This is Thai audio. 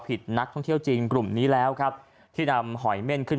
นักท่องเที่ยวจีนกลุ่มนี้แล้วครับที่นำหอยเม่นขึ้น